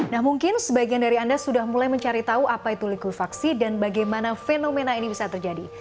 nah mungkin sebagian dari anda sudah mulai mencari tahu apa itu likuifaksi dan bagaimana fenomena ini bisa terjadi